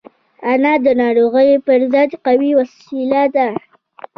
انار د ناروغیو پر ضد قوي وسيله ده.